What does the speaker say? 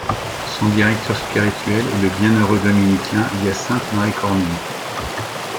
Son directeur spirituel est le bienheureux dominicain Hyacinthe-Marie Cormier.